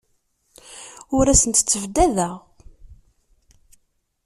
Ur asent-ttabdadeɣ.